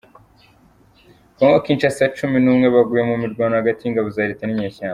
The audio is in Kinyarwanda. kongo Kinshasa Cumi Numwe baguye mu mirwano hagati y’ingabo za Leta ninyeshyamba